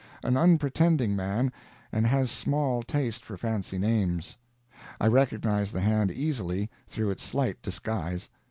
An unpretending man, and has small taste for fancy names. I recognized the hand easily, through its slight disguise.